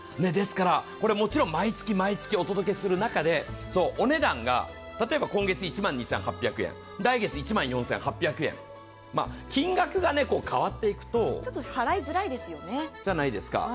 もちろん毎月毎月お届けする中でお値段が例えば今月１万２８００円、来月１万４８００円、金額が変わっていくと払いづらいじゃないですか。